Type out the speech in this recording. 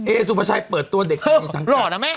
เอซูปอร์ชัยเปิดตัวเด็กทางนี้สังคม